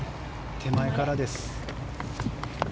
手前からです。